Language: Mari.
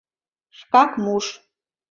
Шкак муш...